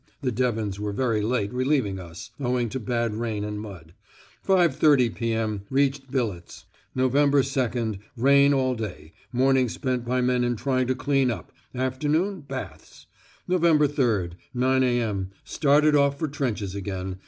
(The Devons were very late relieving us, owing to bad rain and mud.) 5.30 p.m. Reached billets. Nov. 2nd. Rain all day. Morning spent by men in trying to clean up. Afternoon, baths. Nov. 3rd. 9.0 a.m. Started off for trenches again.